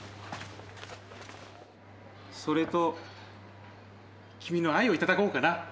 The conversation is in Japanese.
それと君の愛を頂こうかな？